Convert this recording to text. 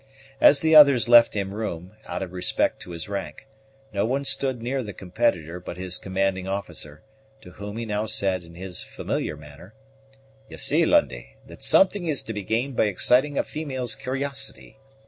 As the others left him room, out of respect to his rank, no one stood near the competitor but his commanding officer, to whom he now said in his familiar manner, "Ye see, Lundie, that something is to be gained by exciting a female's curiosity.